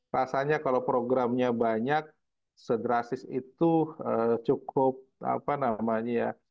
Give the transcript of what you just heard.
rasanya kalau programnya banyak sedrastis itu cukup apa namanya ya